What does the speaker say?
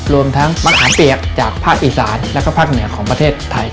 รวมทั้งมะขามเปียกจากภาคอีสานและภาคเหนือของประเทศไทย